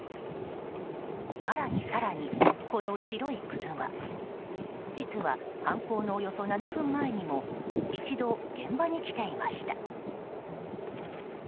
更に更に、この白い車実は犯行のおよそ７分前にも一度、現場に来ていました。